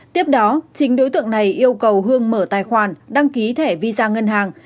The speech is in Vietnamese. tiếp đó chính đối tượng này yêu cầu hương mở tài khoản đăng ký thẻ visa ngân hàng